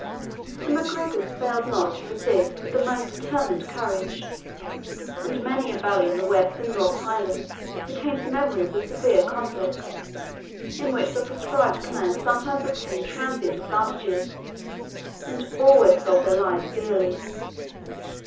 The MacGregors failed not to resist with the most determined courage; and many a valley in the West and North Highlands retains memory of the severe conflicts, in which the proscribed clan sometimes obtained transient advantages, and always sold their lives dearly.